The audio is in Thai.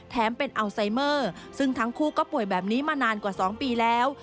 เป็นอัลไซเมอร์ซึ่งทั้งคู่ก็ป่วยแบบนี้มานานกว่า๒ปีแล้ว